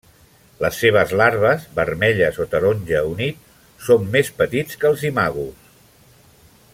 Les seves larves, vermelles o taronja unit, són més petits que els imagos.